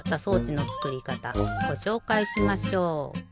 ごしょうかいしましょう。